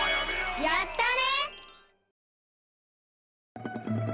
やったね！